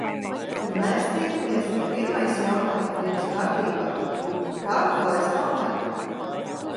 Kad mēs tiekamies, pirmais jautājums dienas kārtībā ir - kā klājas mammai?